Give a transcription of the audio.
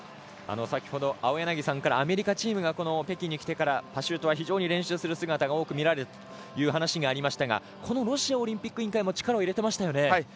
先ほど青柳さんからアメリカチームが北京に来てからパシュートは非常に練習する姿が多く見られたという話がありましたがこのロシアオリンピック委員会も力を入れてましたね。